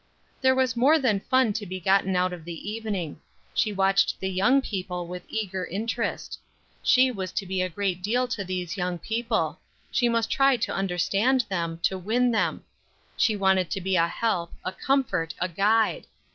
There was more than fun to be gotten out of the evening; she watched the young people with eager interest. She was to be a great deal to these young people; she must try to understand them, to win them. She wanted to be a help, a comfort, a guide.